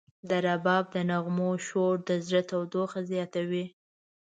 د رباب د نغمو شور د زړه تودوخه زیاتوي.